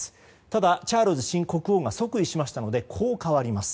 ただ、チャールズ新国王が即位しましたのでこう変わります。